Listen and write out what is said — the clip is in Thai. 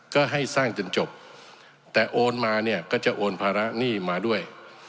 ก็ให้สร้างจนจบแต่โอนมาเนี่ยก็จะโอนภาระหนี้มาด้วย